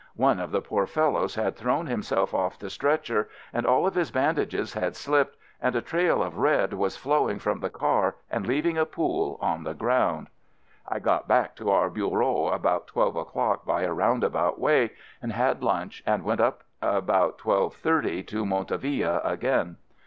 One of the poor fellows had thrown himself off FIELD SERVICE 91 the stretcher and all of his bandages had slipped and a trail of red was flowing from the car and leaving a pool on the ground. I got back to our Bureau about twelve o'clock by a roundabout way, and had lunch and went up about twelve thirty to Montauville again.